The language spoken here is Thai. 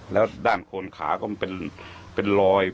แล้วด้านโคนขาก็เป็นรอย